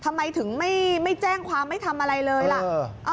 ทำไมถึงไม่แจ้งความไม่ทำอะไรเลยล่ะ